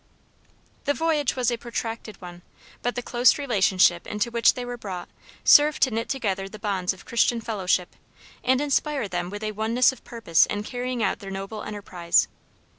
The voyage was a protracted one. But the close relationship into which they were brought served to knit together the bonds of Christian fellowship, and inspire them with a oneness of purpose in carrying out their noble enterprise.